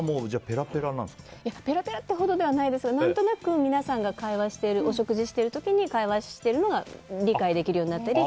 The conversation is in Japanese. ペラペラってほどではないですけど何となく皆さんとお食事している時に会話しているのは理解できるようになったり。